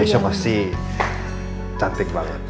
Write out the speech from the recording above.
keisha pasti cantik banget